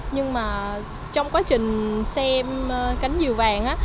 nhưng mà trong quá trình xem cánh diều vàng